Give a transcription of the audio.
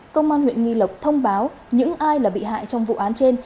công an huyện nghi lộc thông báo những ai là bị hại trong vụ án trên